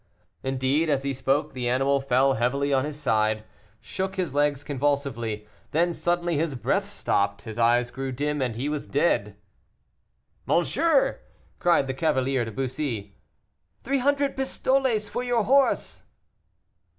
Indeed, as he spoke the animal fell heavily on his side, shook his legs convulsively, then suddenly his breath stopped, his eyes grew dim, and he was dead. "Monsieur!" cried the cavalier to Bussy, "three hundred pistoles for your horse!"